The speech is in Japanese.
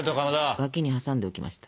脇に挟んでおきました。